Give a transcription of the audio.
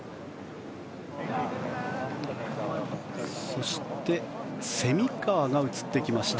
そして蝉川が映ってきました。